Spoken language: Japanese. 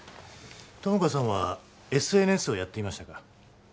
友果さんはＳＮＳをやっていましたか？